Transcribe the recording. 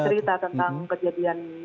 bercerita tentang kejadian